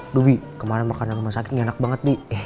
aduh bi kemarin makanan lo masakin enak banget bi